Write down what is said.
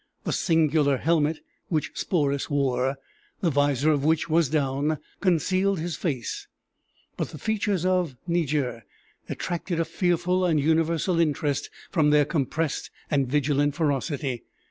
The singular helmet which Sporus wore (the visor of which was down) concealed his face; but the features of Niger attracted a fearful and universal interest from their compressed and vigilant ferocity.